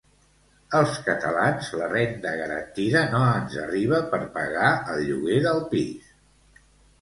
Als catalans la renda garantida no ens arriba per pagar el lloguer del pis